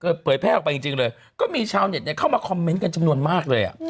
ก็เปิดเผ่นเราไปจริงเลยก็มีชาวเนทอย่างเข้ามาคอมเม้นต์กันจำนวนมากเลย